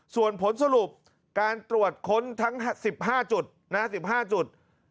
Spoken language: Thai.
ส่วนผลสรุปการตรวจค้นทั้ง๑๕จุด๑๕จุด